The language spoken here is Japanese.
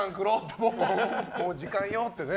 もう時間よってね。